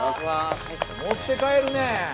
持って帰るねぇ。